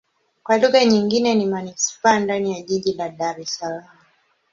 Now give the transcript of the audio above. Kwa lugha nyingine ni manisipaa ndani ya jiji la Dar Es Salaam.